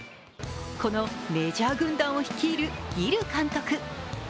このメジャー軍団を率いるギル監督。